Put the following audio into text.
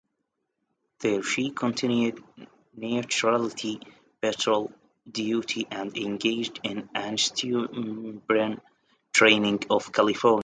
There she continued Neutrality Patrol duty and engaged in antisubmarine training off California.